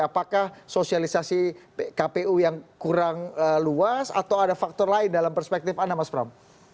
apakah sosialisasi kpu yang kurang luas atau ada faktor lain dalam perspektif anda mas pram